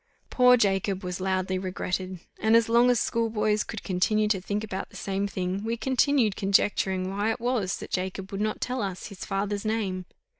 Poor Jacob was loudly regretted; and as long as schoolboys could continue to think about the same thing, we continued conjecturing why it was that Jacob would not tell us his father's name.